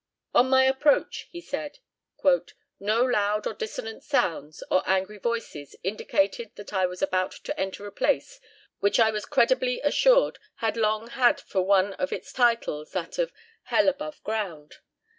"On my approach," he says, "no loud or dissonant sounds or angry voices indicated that I was about to enter a place which I was credibly assured had long had for one of its titles that of 'Hell above ground.'